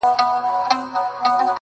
شیخ ته ورکوي شراب کشیش ته د زمزمو جام,